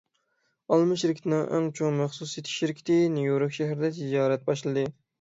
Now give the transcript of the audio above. ئالما شىركىتىنىڭ ئەڭ چوڭ مەخسۇس سېتىش شىركىتى نيۇ يورك شەھىرىدە تىجارەت باشلىدى.